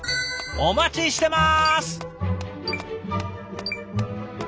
お待ちしてます！